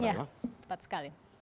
ya tepat sekali